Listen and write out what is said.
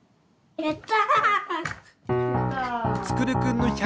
やった！